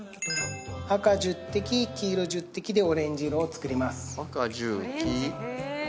黄色１０滴でオレンジ色を作ります